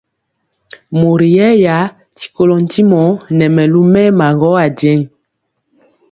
Mori yɛɛya ti kolɔ ntimɔ nɛ mɛlu mɛɛma gɔ ajeŋg.